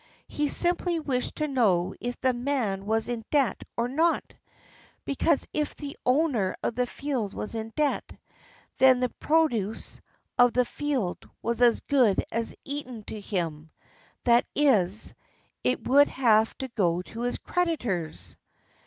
He simply wished to know if the man was in debt or not; because, if the owner of the field was in debt, then the produce of the field was as good as eaten to him; that is, it would have to go to his creditors."